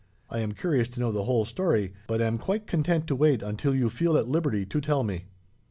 I am curious to know the whole story, but am quite content to wait until you feel at liberty to tell me."